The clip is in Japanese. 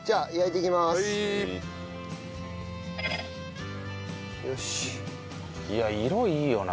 いや色いいよな。